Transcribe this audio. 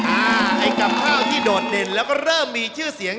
อ้าอันการกำเภาที่โดดเด่นแล้วก็เริ่มมีชื่อเสียง